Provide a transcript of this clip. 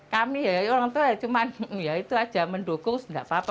kami ya orang tua cuma ya itu aja mendukung nggak apa apa